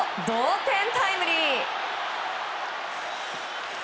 同点タイムリー。